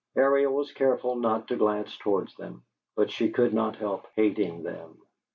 Ariel was careful not to glance towards them, but she could not help hating them.